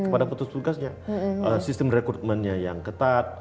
kepada petugas petugasnya sistem rekrutmennya yang ketat